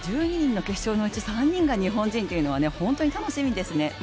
１２人の決勝のうち３人が日本人というのは本当に楽しみですね。